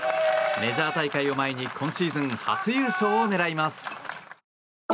メジャー大会を前に今シーズン初優勝を狙います。